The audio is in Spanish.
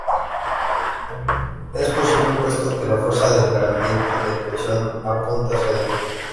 Es posible, puesto que la fuerza del gradiente de presión apunta hacia adentro.